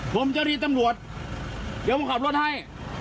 ผมเจ้าที่ตำรวจเดี๋ยวผมขับรถให้